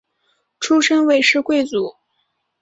出身韦氏贵族。